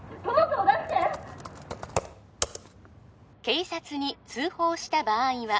警察に通報した場合は